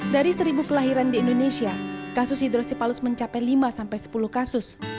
dari seribu kelahiran di indonesia kasus hidrosipalus mencapai lima sampai sepuluh kasus